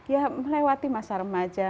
ya melewati masa remaja